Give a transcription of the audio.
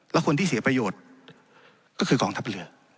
และคนที่เสียประโยชน์ก็คือกองทัพเรือ